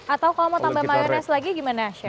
atau kalau mau tambah mayonis lagi gimana chef